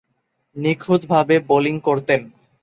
নিখুঁতভাবে বোলিং করতেন।